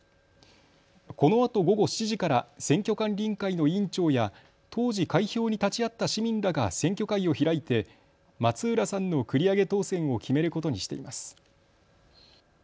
このあと午後７時から選挙管理委員会の委員長や当時、開票に立ち会った市民らが選挙会を開いて松浦さんの繰り上げ当選を決めることにしています。